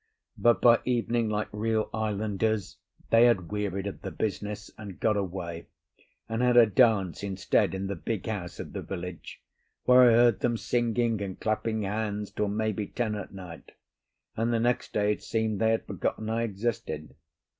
But by evening, like real islanders, they had wearied of the business, and got away, and had a dance instead in the big house of the village, where I heard them singing and clapping hands till, maybe, ten at night, and the next day it seemed they had forgotten I existed.